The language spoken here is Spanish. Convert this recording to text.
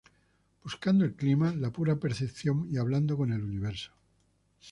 Buscando el clima, La pura percepción y Hablando con el universo.